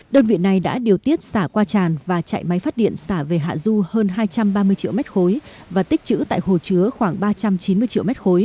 đơn vị này đã điều tiết xả qua tràn và chạy máy phát điện xả về hạ du hơn hai trăm ba mươi triệu m ba và tích chữ tại hồ chứa khoảng ba trăm chín mươi triệu m ba